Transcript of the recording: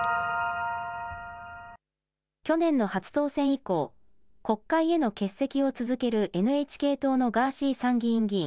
去年の初当選以降、国会への欠席を続けるＮＨＫ党のガーシー参議院議員。